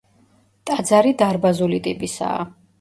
ტაძარი დარბაზული ტიპისაა.